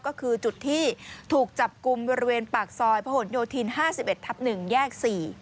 ก็คือจุดที่ถูกจับกลุ่มบริเวณปากซอยพระหลโยธิน๕๑ทับ๑แยก๔